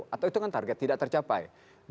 atau itu kan target tidak tercapai